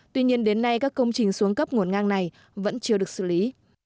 tuy nhiên đến nay các công trình xuống cấp nguồn ngang này vẫn chưa được xử lý